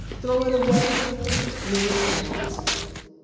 Throw it away?" More sounds.